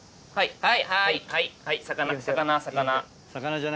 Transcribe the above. はい！